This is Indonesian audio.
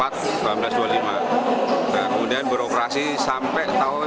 kemudian beroperasi sampai tahun seribu sembilan ratus tujuh puluh